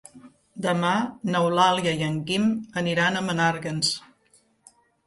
Demà n'Eulàlia i en Guim aniran a Menàrguens.